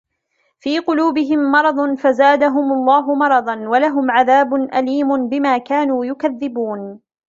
في قلوبهم مرض فزادهم الله مرضا ولهم عذاب أليم بما كانوا يكذبون